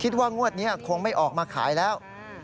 คิดว่างวดนี้คงไม่ออกมาขายแล้ว